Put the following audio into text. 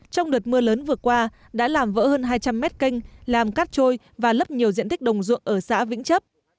trong đợt mưa lớn vừa qua đã làm vỡ hơn hai trăm linh mét canh làm cát trôi và lấp nhiều diện tích đồng ruộng ở xã vĩnh chấp